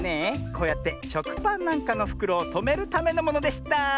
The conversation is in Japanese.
こうやってしょくパンなんかのふくろをとめるためのものでした！